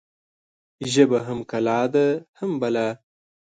ژبه هم کلا ده هم بلا.